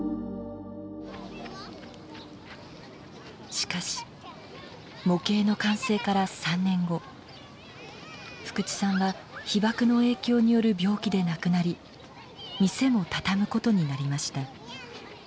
しかし模型の完成から３年後福地さんは被爆の影響による病気で亡くなり店も畳むことになりました。